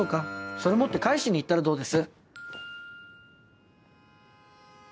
それ持って返しに行ったらどうです？